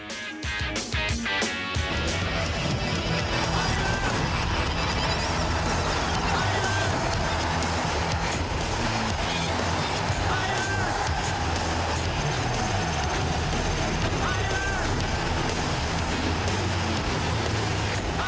ไทยรัฐ